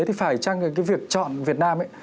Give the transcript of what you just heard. thì phải chăng cái việc chọn việt nam ấy